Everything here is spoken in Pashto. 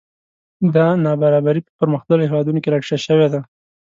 دا نابرابري په پرمختللو هېوادونو کې راټیټه شوې ده